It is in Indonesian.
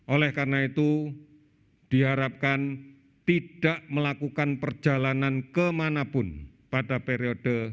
oleh karena itu diharapkan tidak melakukan perjalanan kemanapun pada periode